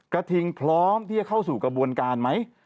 กระทิงพร้อมที่จะเข้าสู่กระบวนการไหม